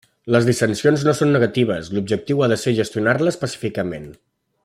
Les dissensions no són negatives, l'objectiu ha de ser gestionar-les pacíficament.